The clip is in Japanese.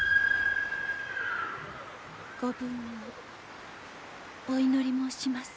ご武運をお祈り申します。